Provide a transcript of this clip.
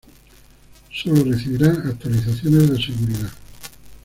Solo recibirá actualizaciones de seguridad.